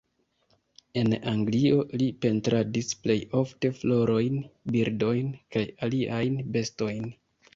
En Anglio li pentradis plej ofte florojn, birdojn kaj aliajn bestojn.